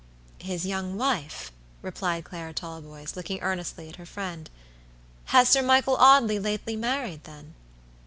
"His young wife!" replied Clara Talboys, looking earnestly at her friend. "Has Sir Michael Audley lately married, then?"